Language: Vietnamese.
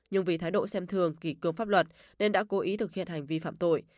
nhưng vì thái độ xem thường kỳ cương pháp luật nên đã cố ý thực hiện hành vi phạm tội